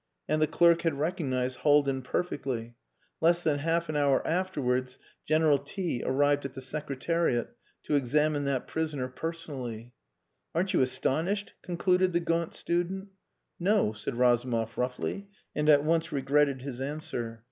And the clerk had recognized Haldin perfectly. Less than half an hour afterwards General T arrived at the Secretariat to examine that prisoner personally. "Aren't you astonished?" concluded the gaunt student. "No," said Razumov roughly and at once regretted his answer.